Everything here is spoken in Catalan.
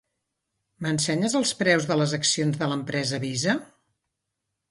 M'ensenyes els preus de les accions de l'empresa Visa?